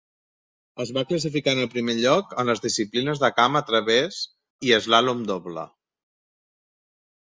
Es va classificar en el primer lloc en les disciplines de camp a través i eslàlom doble.